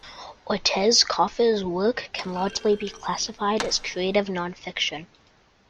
Ortiz Cofer's work can largely be classified as creative nonfiction.